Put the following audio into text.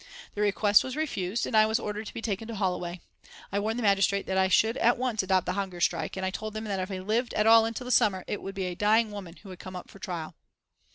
The request was refused, and I was ordered to be taken to Holloway. I warned the magistrate that I should at once adopt the hunger strike, and I told him that if I lived at all until the summer it would be a dying woman who would come up for trial.